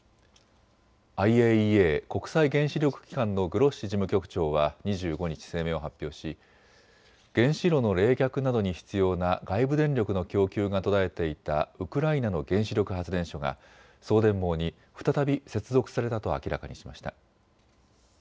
ＩＡＥＡ・国際原子力機関のグロッシ事務局長は２５日、声明を発表し原子炉の冷却などに必要な外部電力の供給が途絶えていたウクライナの原子力発電所が送電網に再び接続されたと明らかにしました。